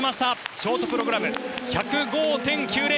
ショートプログラム１０５．９０！